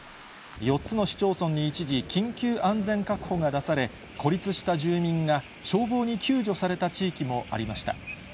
４つの市町村に一時、緊急安全確保が出され、孤立した住民が消防に救助された地域もありました。